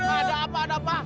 ada apa ada apa